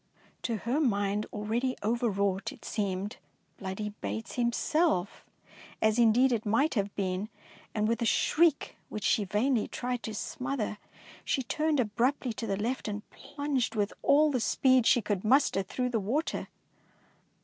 To her mind, already overwrought, it seemed " Bloody Bates'' himself, as indeed it might have been, and with a shriek which she vainly tried to smother, she turned abruptly to the left and plunged with all the speed she could muster through the water.